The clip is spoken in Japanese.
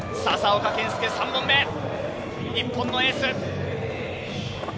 笹岡建介３本目、日本のエース。